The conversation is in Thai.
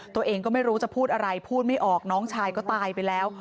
ตัวเองก็ไม่รู้จะพูดอะไรพูดไม่ออกน้องชายก็ตายไปแล้ว